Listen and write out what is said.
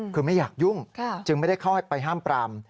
คือไม่อยากยุ่งจึงไม่ได้เข้าไปห้ามปราม